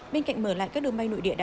bên cạnh mở lại các đường bay nội địa đã